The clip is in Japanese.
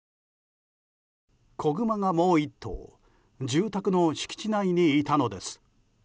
子グマがもう１頭住宅の敷地内にいたのです。